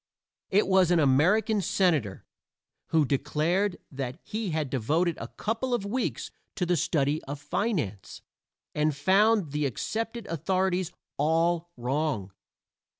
It was an American senator who declared that he had devoted a couple of weeks to the study of finance, and found the accepted authorities all wrong.